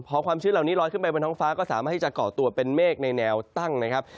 พอความชื้นเหล่านี้ลอยขึ้นไปบนท้องฟ้าก็สามารถที่จะเกาะตัวเป็นเมฆในแนวตั้งนะครับ